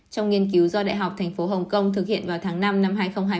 trong nghiên cứu do đại học tp hcm thực hiện vào tháng năm năm hai nghìn hai mươi một